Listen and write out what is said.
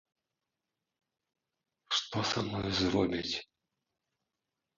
Што са мною зробяць?